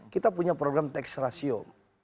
kita punya program tekst rasio